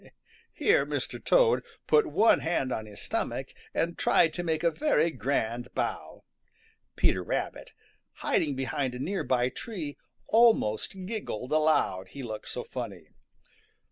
Here Mr. Toad put one hand on his stomach and tried to make a very grand bow. Peter Rabbit, hiding behind a near by tree, almost giggled aloud, he looked so funny.